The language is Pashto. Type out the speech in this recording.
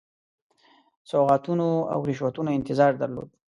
سوغاتونو او رشوتونو انتظار درلود.